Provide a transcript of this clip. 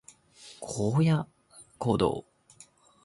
荒野行動